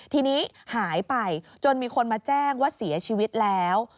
ทีนี้หายไปจนมีคนมาแจ้งว่าเสียชีวิตแล้ว